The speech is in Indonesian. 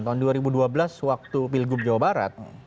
tahun dua ribu dua belas waktu pilgub jawa barat